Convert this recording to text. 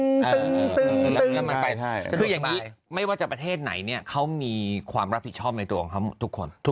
คืออย่างนี้ไม่ว่าจะประเทศไหนเนี่ยเขามีความรับผิดชอบในตัวของเขาทุกคน